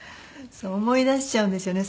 思い出しちゃうんですよね